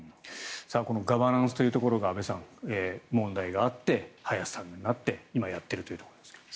ガバナンスというところが安部さん、問題があって林さんになって、今やっているというところですが。